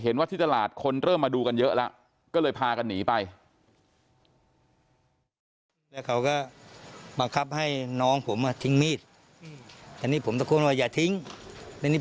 ว่าที่ตลาดคนเริ่มมาดูกันเยอะแล้วก็เลยพากันหนีไป